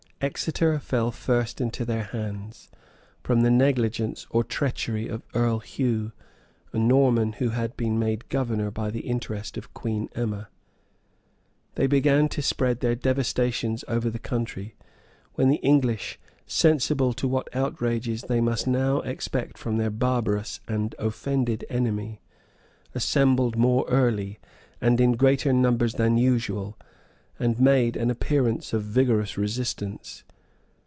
Exeter fell first into their hands, from the negligence or treachery of Earl Hugh, a Norman, who had been made governor by the interest of Queen Emma. They began to spread their devastations over the country, when the English, sensible what outrages they must now expect from their barbarous and offended enemy, assembled more early, and in greater numbers than usual, and made an appearance of vigorous resistance.